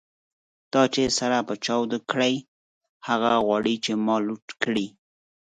تا چی سر په چا دو کړۍ، هغه غواړی چی ما لوټ کړی